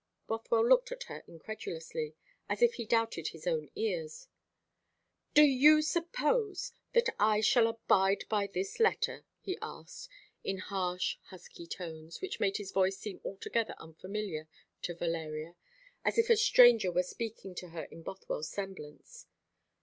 Bothwell looked at her incredulously, as if he doubted his own ears. "Do you suppose that I shall abide by this letter?" he asked, in harsh husky tones, which made his voice seem altogether unfamiliar to Valeria, as if a stranger were speaking to her in Bothwell's semblance.